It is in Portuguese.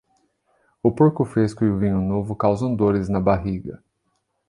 O porco fresco e o vinho novo causam dores na barriga.